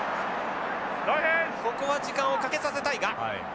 ここは時間をかけさせたいが。